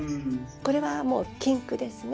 これはもう禁句ですね。